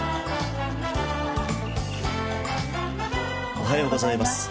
おはようございます。